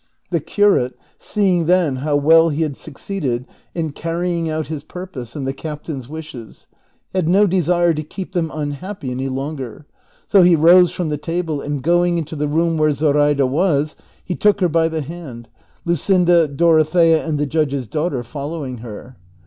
The curate, seeing, then, how well he had succeeded in carrying out his purpose and the captain's wishes, had no desire to keep them unhappy any longer, so he rose from the table arid going into the room where Zoraida was he took her by the hand, Luscinda, Dorothea, and the judge's daughter following her.